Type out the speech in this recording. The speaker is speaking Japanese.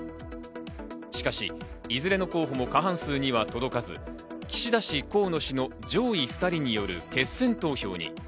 しかし、いずれの候補も過半数には届かず、岸田氏、河野氏の上位２人による決選投票に。